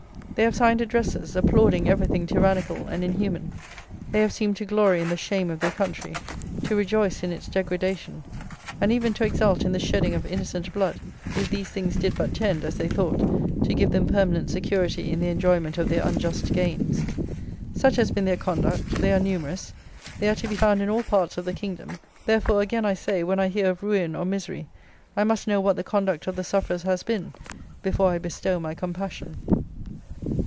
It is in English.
They have signed addresses, applauding everything tyrannical and inhuman. They have seemed to glory in the shame of their country, to rejoice in its degradation, and even to exult in the shedding of innocent blood, if these things did but tend, as they thought, to give them permanent security in the enjoyment of their unjust gains. Such has been their conduct; they are numerous: they are to be found in all parts of the kingdom: therefore again I say, when I hear of "ruin" or "misery," I must know what the conduct of the sufferers has been before I bestow my compassion.